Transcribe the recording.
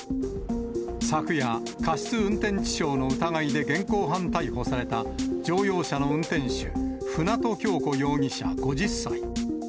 昨夜、過失運転致傷の疑いで現行犯逮捕された乗用車の運転手、舟渡今日子容疑者５０歳。